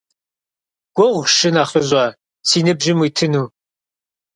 Гугъущ, шынэхъыщӀэ, си ныбжьым уитыну.